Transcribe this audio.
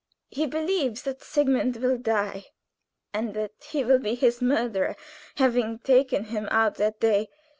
He believes that Sigmund will die, and that he will be his murderer, having taken him out that day.